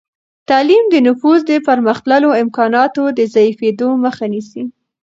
تعلیم د نفوس د پرمختللو امکاناتو د ضعیفېدو مخه نیسي.